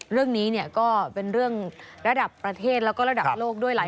เรื่องนี้เนี่ยก็เป็นเรื่องระดับประเทศแล้วก็ระดับโลกด้วยหลาย